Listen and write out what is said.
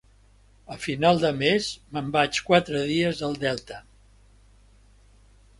A final de mes me'n vaig quatre dies al Delta